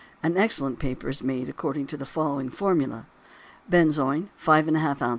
An excellent paper is made according to the following formula: Benzoin 5½ oz.